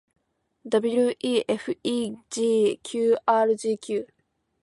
ewfegqrgq